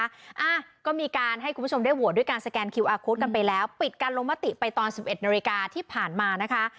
อ่ะก็มีการให้คุณผู้ชมได้โหวตด้วยการสแกนคิวอาร์โค้ดกันไปแล้วปิดการลงมติไปตอนสิบเอ็ดนาฬิกาที่ผ่านมานะคะ